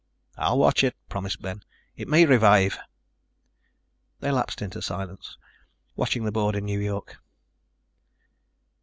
"I'll watch it," promised Ben. "It may revive." They lapsed into silence, watching the board in New York.